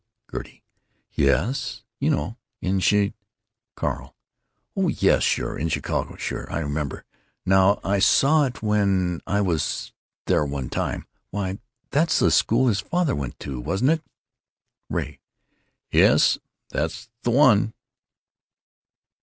Gertie: "Yes, you know, in Chi——" Carl: "Oh yes, sure; in Chicago; sure, I remember now; I saw it when I was there one time. Why! That's the school his father went to, wasn't it?" Ray: "Yes, sure, that's the one."